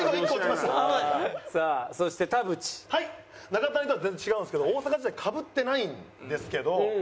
中谷とは全然違うんですけど大阪時代かぶってないんですけど。